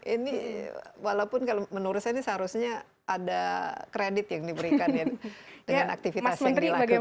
ini walaupun menurut saya ini seharusnya ada kredit yang diberikan ya dengan aktivitas yang dilakukan